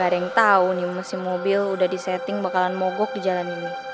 ada yang tahu nih mesin mobil udah disetting bakalan mogok di jalan ini